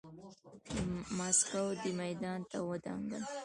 ماسکو دې میدان ته ودانګل.